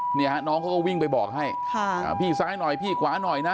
เนี่ยฮะน้องเขาก็วิ่งไปบอกให้ค่ะอ่าพี่ซ้ายหน่อยพี่ขวาหน่อยนะ